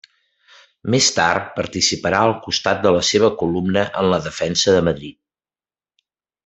Més tard participarà al costat de la seva columna en la Defensa de Madrid.